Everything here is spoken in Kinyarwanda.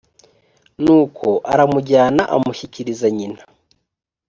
nuko aramujyana amushyikiriza nyina